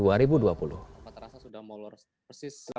apakah terasa sudah mau lorot persis